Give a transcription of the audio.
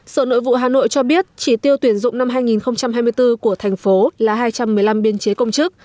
sở nội vụ hà nội cho biết chỉ tiêu tuyển dụng năm hai nghìn hai mươi bốn của thành phố là hai trăm một mươi năm biên chế công chức